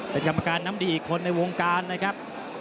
เป็นกรรมการน้ำดีอีกคนในวงการนะครับ